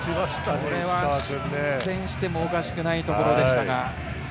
これは失点してもおかしくないところでしたが。